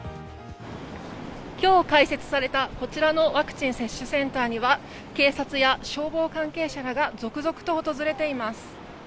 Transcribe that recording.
今日開設されたこちらのワクチン接種センターには警察や消防関係者らが続々と訪れています。